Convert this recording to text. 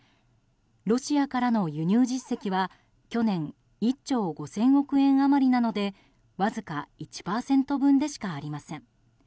ロシアからの輸入実績は、去年１兆５０００億円余りなのでわずか１％分でしかありません。